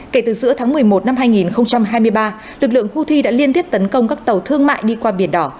kể từ giữa tháng một mươi một năm hai nghìn hai mươi ba lực lượng houthi đã liên tiếp tấn công các tàu thương mại đi qua biển đỏ